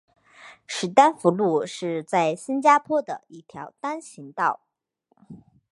史丹福路是在新加坡的一条单行道。